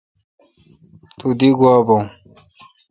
تو تی گوا بھو۔